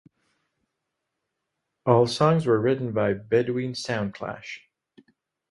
All songs were written by Bedouin Soundclash.